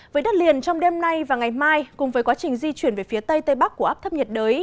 với đất liền trong đêm nay và ngày mai cùng với quá trình di chuyển về phía tây tây bắc của áp thấp nhiệt đới